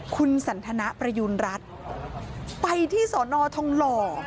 คุณสันทนประยูณรัฐไปที่สอนอทองหล่อ